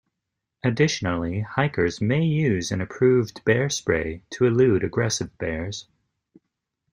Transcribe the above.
Additionally, hikers may use an approved bear spray to elude aggressive bears.